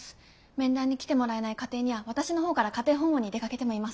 面談に来てもらえない家庭には私の方から家庭訪問にも出かけてもいます。